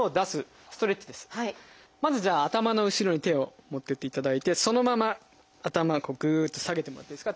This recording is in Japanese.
まずじゃあ頭の後ろに手を持ってっていただいてそのまま頭をぐっと下げてもらっていいですか。